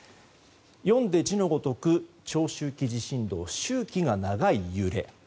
読んで字のごとく、長周期地震動周期が長い揺れ。